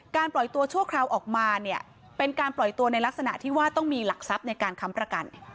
ปล่อยตัวชั่วคราวออกมาเนี่ยเป็นการปล่อยตัวในลักษณะที่ว่าต้องมีหลักทรัพย์ในการค้ำประกัน